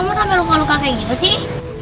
kok kamu sampe luka luka kayak gitu sih